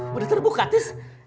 sudah terbuka tis